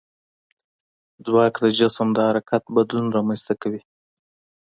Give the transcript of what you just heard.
ځواک د جسم د حرکت بدلون رامنځته کوي.